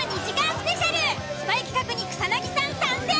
スパイ企画に草さん参戦！